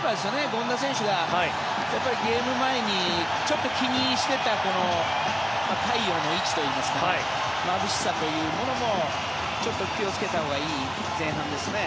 権田選手がゲーム前にちょっと気にしていたこの太陽の位置といいますかまぶしさというものもちょっと気をつけたほうがいい前半ですね。